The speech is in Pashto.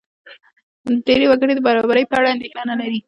ډېری وګړي د برابرۍ په اړه اندېښنه نه لري.